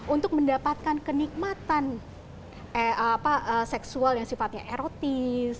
untuk mendapatkan kenikmatan seksual yang sifatnya erotis